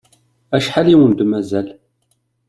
Acḥal i wen-d-mazal?